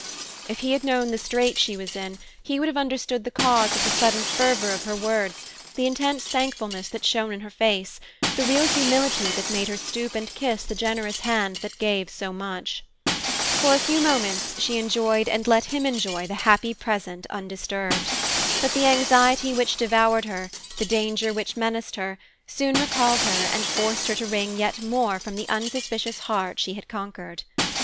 If he had known the strait she was in, he would have understood the cause of the sudden fervor of her words, the intense thankfulness that shone in her face, the real humility that made her stoop and kiss the generous hand that gave so much. For a few moments she enjoyed and let him enjoy the happy present, undisturbed. But the anxiety which devoured her, the danger which menaced her, soon recalled her, and forced her to wring yet more from the unsuspicious heart she had conquered.